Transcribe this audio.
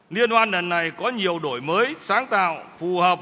liên hoan lần này có nhiều đổi mới sáng tạo phù hợp